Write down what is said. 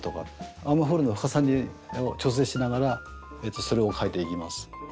アームホールの深さを調整しながらそれをかえていきます。